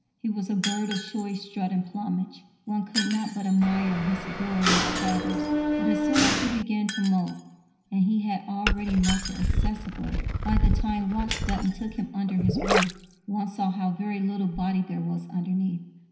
He was a bird of showy strut and plumage. One could not but admire his glorious feathers; but, as soon as he began to moult and he had already moulted excessively by the time Watts Dunton took him under his roof one saw how very little body there was underneath.